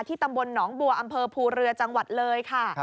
ตำบลหนองบัวอำเภอภูเรือจังหวัดเลยค่ะ